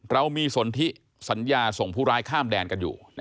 เรามีสนทิสัญญาส่งผู้ร้ายข้ามแดนกันอยู่